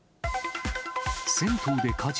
銭湯で火事。